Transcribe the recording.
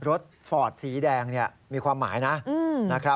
รถฟอร์ดสีแดงเนี่ยมีความหมายนะ